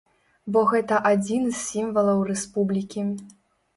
Бо гэта адзін з сімвалаў рэспублікі.